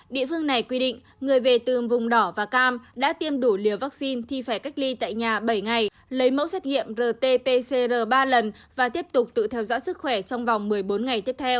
địa phương này quy định người về từ vùng đỏ và cam đã tiêm đủ liều vaccine thì phải cách ly tại nhà bảy ngày lấy mẫu xét nghiệm rt pcr ba lần và tiếp tục tự theo dõi sức khỏe trong vòng một mươi bốn ngày tiếp theo